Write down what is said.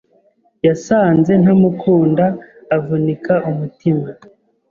Yasanze ntamukunda avunika umutima